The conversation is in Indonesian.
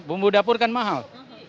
bumbu dapur kan mahal